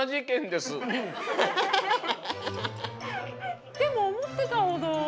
でもおもってたほどは。